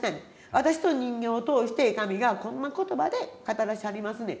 私という人間を通して神がこんな言葉で語らしはりますねん。